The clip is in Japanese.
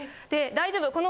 「大丈夫。